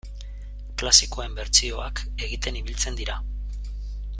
Klasikoen bertsioak egiten ibiltzen dira.